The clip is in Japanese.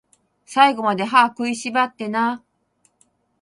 最後まで、歯食いしばってなー